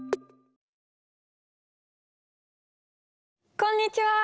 こんにちは。